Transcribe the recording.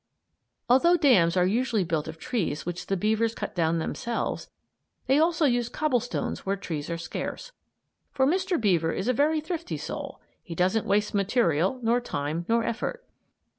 Although dams are usually built of trees which the beavers cut down themselves, they also use cobblestones where trees are scarce; for Mr. Beaver is a very thrifty soul; he doesn't waste material nor time nor effort.